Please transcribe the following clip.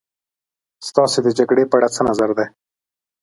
ستاسې د جګړې په اړه څه نظر دی.